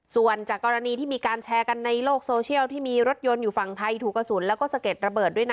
ส่วนจากกรณีที่มีการแชร์กันในโลกโซเชียลที่มีรถยนต์อยู่ฝั่งไทยถูกกระสุนแล้วก็สะเก็ดระเบิดด้วยนะ